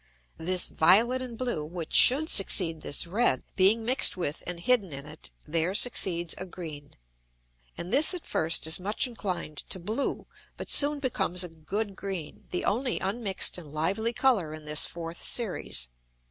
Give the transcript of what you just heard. This violet and blue, which should succeed this red, being mixed with, and hidden in it, there succeeds a green. And this at first is much inclined to blue, but soon becomes a good green, the only unmix'd and lively Colour in this fourth Series.